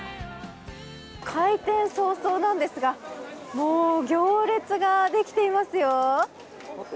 開店早々なんですがもう行列ができていますよ。